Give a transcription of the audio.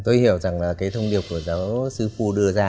tôi hiểu rằng là cái thông điệp của giáo sư phu đưa ra